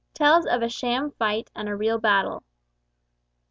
TELLS OF A SHAM FIGHT AND A REAL BATTLE.